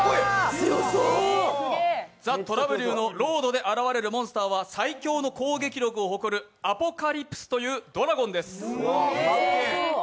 虎舞竜の「ロード」で現れるモンスターは最強の攻撃力を誇るアポカリプスというドラゴンです。